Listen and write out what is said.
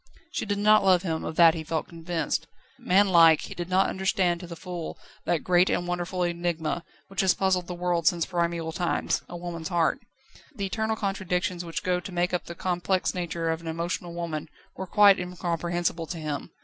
She did not love him, of that he felt convinced. Man like, he did not understand to the full that great and wonderful enigma, which has puzzled the world since primeval times: a woman's heart. The eternal contradictions which go to make up the complex nature of an emotional woman were quite incomprehensible to him.